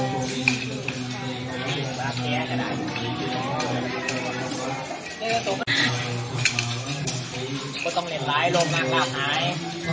ก็ต้องเรียนร้ายลงมากแล้วคล้าย